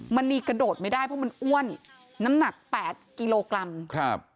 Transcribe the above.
มันนี่กระโดดไม่ได้เพราะมันอ้วนน้ำหนัก๘กิโลกรัม